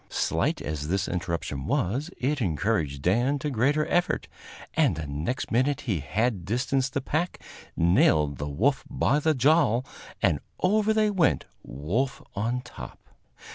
Slight as this interruption was, it encouraged Dan to greater effort, and the next minute he had distanced the pack, nailed the wolf by the jowl, and over they went, wolf on top.